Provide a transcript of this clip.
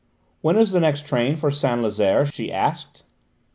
"When is the next train for Saint Lazaire?" she asked.